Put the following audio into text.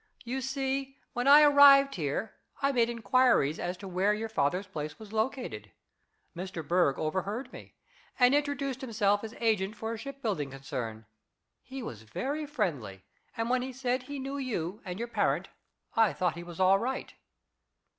You see, when I arrived here I made inquiries as to where your father's place was located. Mr. Berg overheard me, and introduced himself as agent for a shipbuilding concern. He was very friendly, and when he said he knew you and your parent, I thought he was all right."